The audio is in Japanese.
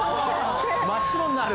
真っ白になる？